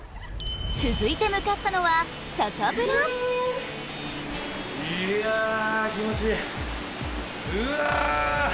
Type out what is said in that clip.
続いて向かったのは外風呂いや気持ちいいうわ！